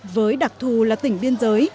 với đặc thù là tỉnh biên giới